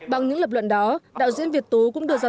bằng những lập luận đó đạo diễn việt tú cũng được giải thích